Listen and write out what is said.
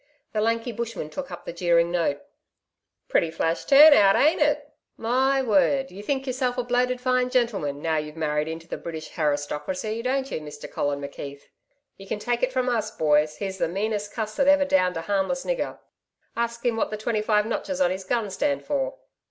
The lanky bushman took up the jeering note. 'Pretty flash turn out, ain't it! My word, you think yourself a bloated fine gentleman now you've married into the British hairystocracy, don't you, Mister Colin McKeith? You can take it from us, boys, he's the meanest cuss that ever downed a harmless nigger.... Ask him what the twenty five notches on his gun stand for?'